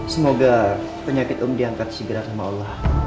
semoga penyakit umum diangkat segera sama allah